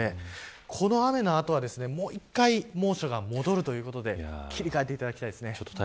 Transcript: この雨の後はもう一回猛暑が戻るということで切り替えてほしいです。